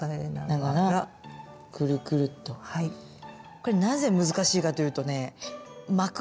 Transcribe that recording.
これなぜ難しいかというとね巻く